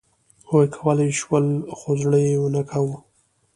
هغوی کولای شول، خو زړه یې نه کاوه.